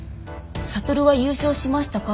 「智は優勝しましたか？」